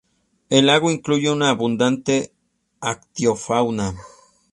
El lago incluye una abundante ictiofauna.